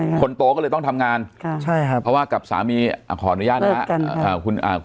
มีคนโตก็เลยต้องทำงานใช่ครับเพราะว่ากับสามีขออนุญาตนะ